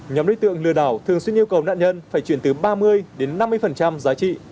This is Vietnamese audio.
nhóm đối tượng lừa đảo thường xuyên yêu cầu nạn nhân phải chuyển từ ba mươi đến năm mươi giá trị